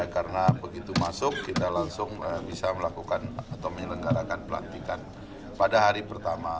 karena begitu masuk kita langsung bisa melakukan atau menyelenggarakan pelantikan pada hari pertama